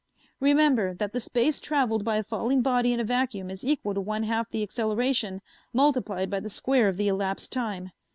"Remember that the space traveled by a falling body in a vacuum is equal to one half the acceleration multiplied by the square of the elapsed time.